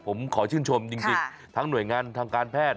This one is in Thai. ผมขอชื่นชมจริงทั้งหน่วยงานทางการแพทย์